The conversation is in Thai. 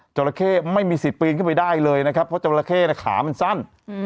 จราเข้ไม่มีสิทธิ์ปีนขึ้นไปได้เลยนะครับเพราะจราเข้ขามันสั้น